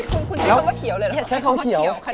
คุณคุณจำเป็นเขียวเลยหรือเหรอใช่เข้าเขียว